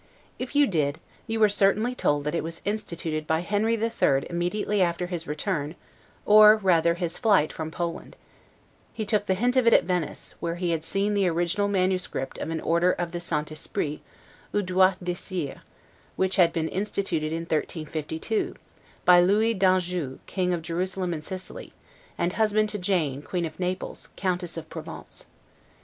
If you did, you were certainly told it was instituted by Henry III. immediately after his return, or rather his flight from Poland; he took the hint of it at Venice, where he had seen the original manuscript of an order of the 'St. Esprit, ou droit desir', which had been instituted in 1352, by Louis d'Anjou, King of Jerusalem and Sicily, and husband to Jane, Queen of Naples, Countess of Provence.